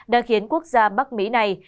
đã khiến quốc gia bắc mỹ này